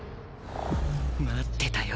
待ってたよ